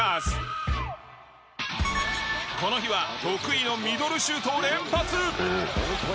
この日は得意のミドルシュートを連発！